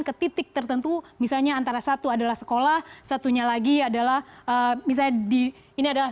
ke titik tertentu misalnya antara satu adalah sekolah satunya lagi adalah misalnya di ini adalah